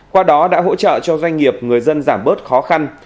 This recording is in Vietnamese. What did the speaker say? qua đó đã hỗ trợ cho doanh nghiệp người dân giảm bớt khó khăn